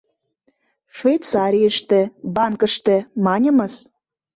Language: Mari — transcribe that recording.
Швейцарийыште, банкыште, маньымыс.